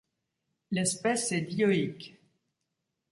L'espèce est dioïque.